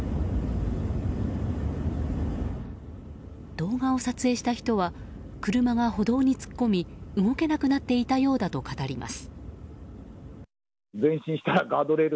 動画を撮影した人は車が歩道に突っ込み動けなくなっていたようだと語ります。